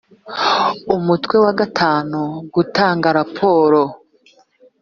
umutwe wa gatanu gutanga raporo